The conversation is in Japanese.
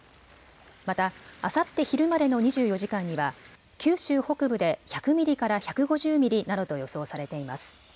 またあさって昼までの２４時間には九州北部で１００ミリから１５０ミリなどと予想されています。